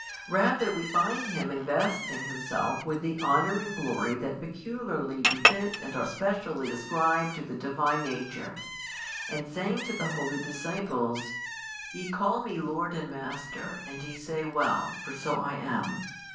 Eather we find Him investing Himself with the honour and glory that peculiarly befit and are specially ascribed to the Divine nature, and saying to the holy disciples: Ye call Me Lord and Master, and ye say well; for so I am.